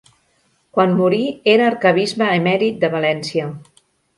Quan morí era arquebisbe emèrit de València.